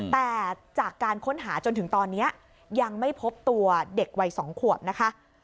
แต่จากการค้นหาจนถึงตอนนี้ยังไม่พบตัวเด็กวัย๒ขวบนะคะ